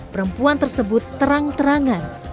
perempuan tersebut terang terang menanggung ayah